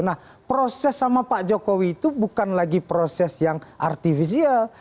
nah proses sama pak jokowi itu bukan lagi proses yang artifisial